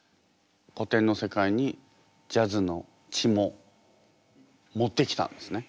古典の世界にジャズの血も持ってきたんですね。